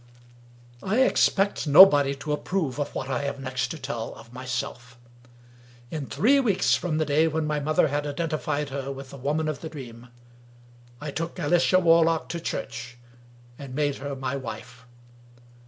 XI I EXPECT nobody to approve of what I have next to tell of myself. In three weeks from the day when my mother had identified her with the Woman of the Dream, I took Alicia Warlock to church, and made her my wife.